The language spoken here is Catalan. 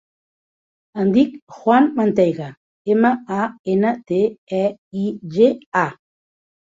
Em dic Juan Manteiga: ema, a, ena, te, e, i, ge, a.